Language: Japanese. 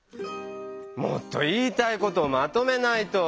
もっと言いたいことまとめないと。